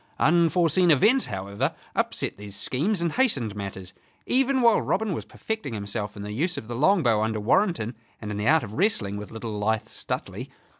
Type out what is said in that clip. Unforeseen events, however, upset these schemes and hastened matters, even while Robin was perfecting himself in the use of the longbow under Warrenton and in the art of wrestling with little lithe Stuteley.